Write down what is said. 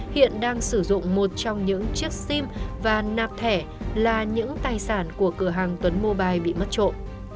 hiện đang sử dụng một trong những chiếc sim và nạp thẻ là những tài sản của cửa hàng tuấn mobile bị mất trộm